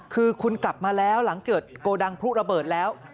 คือคุณกลับมาแล้วหลังเกิดโกดังพลุระเบิดแล้ว